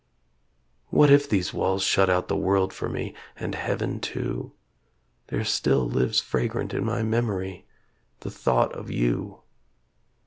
What if these walls shut out the world for me And heaven too, There still lives fragrant in my memory The thought of you.